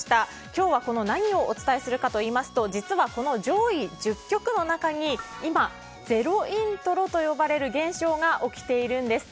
今日は何をお伝えするかというと実は、この上位１０曲の中に今、ゼロイントロと呼ばれる現象が起きているんです。